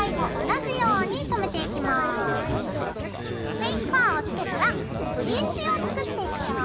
フェイクファーをつけたらフリンジを作っていくよ。